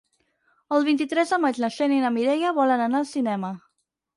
El vint-i-tres de maig na Xènia i na Mireia volen anar al cinema.